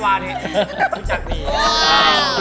โรงเรียน